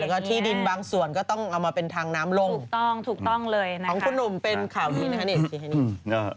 แล้วก็ที่ดินบางส่วนก็ต้องเอามาเป็นทางน้ำลงของคุณหนุ่มเป็นข่าวดูดมะหนิก